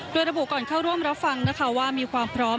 โดยระบุก่อนเข้าร่วมรับฟังนะคะว่ามีความพร้อม